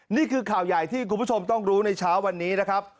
นี่คือข่าวใหญ่ที่คุณผู้ชมต้องรู้ในเช้าวันนี้นะครับ